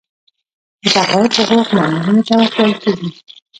د تقاعد حقوق مامورینو ته ورکول کیږي